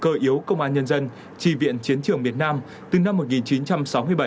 cơ yếu công an nhân dân tri viện chiến trường miền nam từ năm một nghìn chín trăm sáu mươi bảy